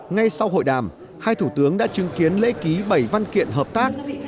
ngay sau hội đàm hai thủ tướng đã chứng kiến lễ ký bảy văn kiện hợp tác